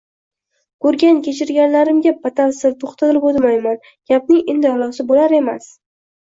Ko`rgan-kechirganlarimga batafsil to`xtalib o`tmayman, gapning indallosi bular emas